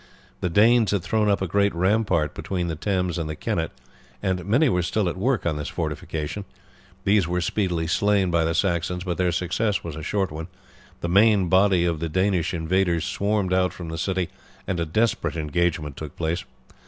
The Danes had thrown up a great rampart between the Thames and the Kennet, and many were still at work on this fortification. These were speedily slain by the Saxons, but their success was a short one. The main body of the invaders swarmed out from the city and a desperate engagement took place.